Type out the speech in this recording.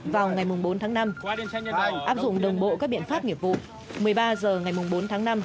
vào ngày bốn tháng năm áp dụng đồng bộ các biện pháp nghiệp vụ một mươi ba h ngày bốn tháng năm